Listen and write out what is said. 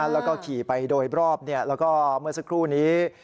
แล้วก็ขี่ไปโดยรอบแล้วก็เมื่อสักครู่นี้